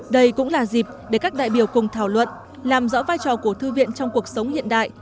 đây cũng là dịp để các đại biểu cùng thảo luận làm rõ vai trò của thư viện trong cuộc sống hiện đại